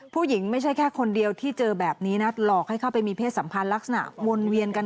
ไม่ใช่แค่คนเดียวที่เจอแบบนี้นะหลอกให้เข้าไปมีเพศสัมพันธ์ลักษณะวนเวียนกัน